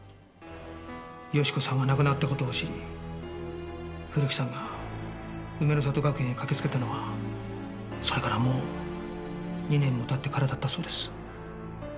美子さんが亡くなった事を知り古木さんが梅の里学園へ駆けつけたのはそれからもう２年も経ってからだったそうです。